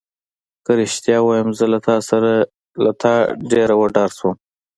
که رښتیا ووایم زه له تا ډېره وډاره شوم.